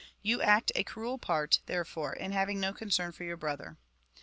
You act a cruel part, therefore, in having no concerii for your brother."